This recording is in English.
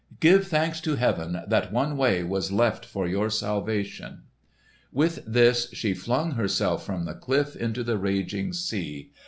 "Give thanks to heaven that one way was left for your salvation!" With this she flung herself from the cliff into the raging sea.